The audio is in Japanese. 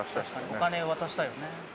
お金渡したいよね。